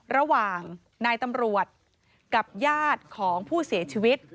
ระหว่างนายตำรวจกับญาติของผู้เสียชีวิต